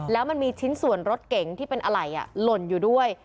แล้วมันมีชิ้นส่วนรถเก๋งที่เป็นอะไรหล่นอยู่ด้วย